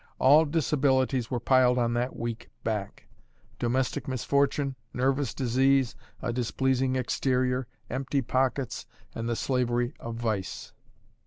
All disabilities were piled on that weak back domestic misfortune, nervous disease, a displeasing exterior, empty pockets, and the slavery of vice.